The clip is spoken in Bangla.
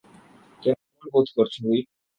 কেমন বোধ করছো, হুইপ?